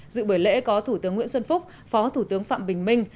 dự buổi lễ có thủ tướng nguyễn xuân phúc phó thủ tướng phạm bình minh